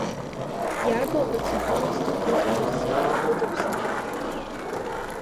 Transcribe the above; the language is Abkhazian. Иарбоу апроцедура изҭаху зегьы рзы ихәыда-ԥсадоуп.